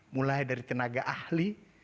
mulai dari tenaga ahli